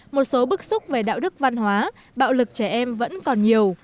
một số bức xúc về đạo đức văn hóa bạo lực trẻ em vẫn còn nhiều